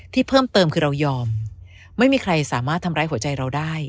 เพิ่มเติมคือเรายอมไม่มีใครสามารถทำร้ายหัวใจเราได้